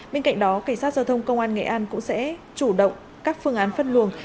bên cạnh đó cảnh sát giao thông công an nghệ an cũng sẽ chủ động các phương án phân luồng